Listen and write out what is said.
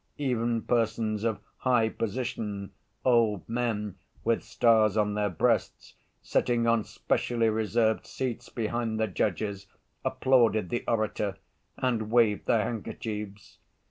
Even persons of high position, old men with stars on their breasts, sitting on specially reserved seats behind the judges, applauded the orator and waved their handkerchiefs.